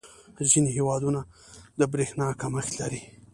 • ځینې هېوادونه د برېښنا کمښت لري.